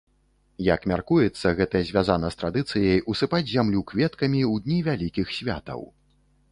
Як мяркуецца, гэта звязана з традыцыяй усыпаць зямлю кветкамі ў дні вялікіх святаў.